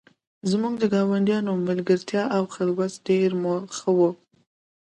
زموږ د ګاونډیانو ملګرتیا او خلوص ډیر ښه و